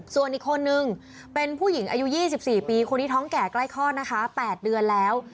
ส่วนอีกคนนึงเป็นผู้หญิงอายุ๒๔ปีคนที่ท้องแก่ใกล้คลอดนะคะ๘เดือนแล้ว